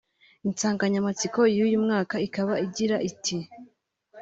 Insanganyamatsiko y’uyu mwaka ikaba igira iti